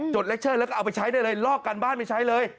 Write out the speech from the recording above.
เล็กเชอร์แล้วก็เอาไปใช้ได้เลยลอกการบ้านไม่ใช้เลย